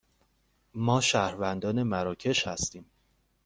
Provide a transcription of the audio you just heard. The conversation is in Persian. ما شهروندان مراکش هستیم.